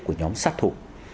của nhóm sát thủ